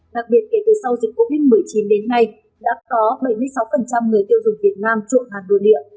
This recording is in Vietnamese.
đặc biệt kể từ sau dịch covid một mươi chín đến nay đã có bảy mươi sáu người tiêu dùng việt nam trội hàng nội địa